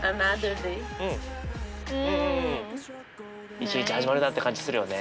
一日始まるなって感じするよね。